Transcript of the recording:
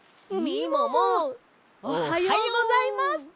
みももおはようございます。